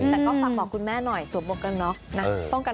แต่ก็ฝากบอกคุณแม่หน่อยสวมบวกกันนะ